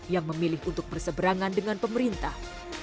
yang memilih untuk berseberangan dengan pemerintah